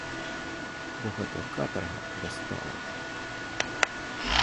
Бо гэтая катарга дастала ўжо!